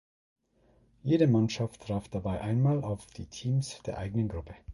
Jede Mannschaft traf dabei einmal auf die Teams der eigenen Gruppe.